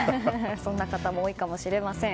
そんな方も多いかもしれません。